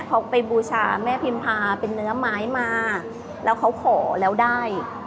เขาไปบูชาแม่พิมพาเป็นเนื้อไม้มาแล้วเขาขอแล้วได้